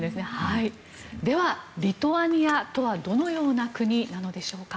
では、リトアニアとはどのような国なのでしょうか。